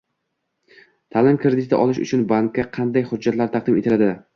Ta’lim krediti olish uchun bankka qanday hujjatlar taqdim etiladi?